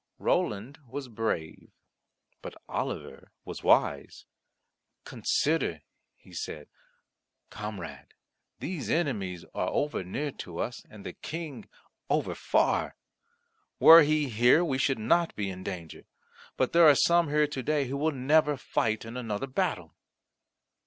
Roland was brave, but Oliver was wise. "Consider," he said, "comrade. These enemies are over near to us, and the King over far. Were he here, we should not be in danger; but there are some here to day who will never fight in another battle."